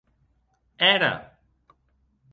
Era!